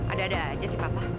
ada ada aja sih papa